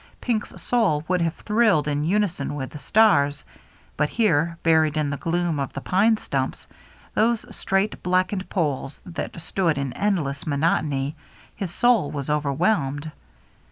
Pink's soul would have thrilled in unison with the stars, but here, buried in the gloom of the pine stumps, — those straight, blackened poles that stood in endless mo notony, — his soul was overwhelmed.